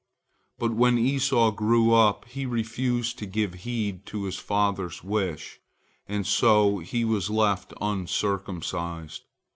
But when Esau grew up, he refused to give heed to his father's wish, and so he was left uncircumcised.